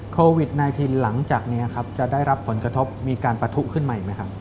โควิด๑๙หลังจากนี้ครับจะได้รับผลกระทบมีการปะทุขึ้นมาอีกไหมครับ